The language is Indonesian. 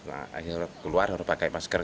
akhirnya keluar harus pakai masker